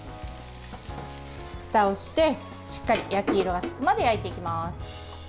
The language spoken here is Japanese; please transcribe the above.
ふたをしてしっかり焼き色がつくまで焼いていきます。